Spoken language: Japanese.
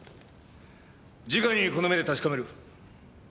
じかにこの目で確かめる。